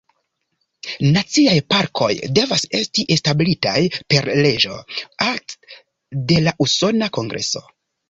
Naciaj parkoj devas esti establitaj per leĝo "act" de la Usona Kongreso.